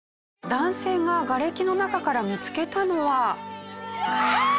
男性ががれきの中から見つけたのは。